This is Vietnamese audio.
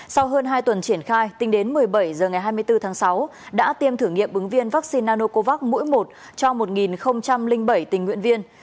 sau hơn hai tuần triển khai tính đến một mươi bảy h ngày hai mươi bốn tháng sáu đã tiêm thử nghiệm ứng viên vaccine nanocovax mỗi một cho một bảy tình nguyện viên